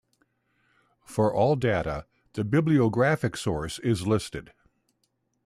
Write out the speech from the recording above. For all data the bibliographic source is listed.